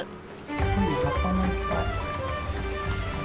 すごいね葉っぱもいっぱい。